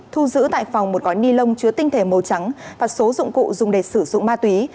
thu giữ tại phòng một gói ni lông chứa tinh thể màu trắng và số dụng cụ dùng để sử dụng ma túy